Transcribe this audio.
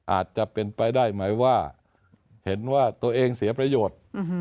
อาจจะเป็นไปได้ไหมว่าเห็นว่าตัวเองเสียประโยชน์